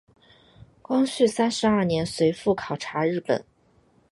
光绪三十二年随父考察日本。